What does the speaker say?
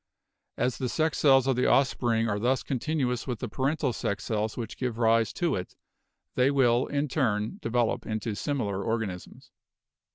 As the sex cells of the offspring are thus continuous with the parental sex cells which give rise to it, they will in turn develop into similar organisms.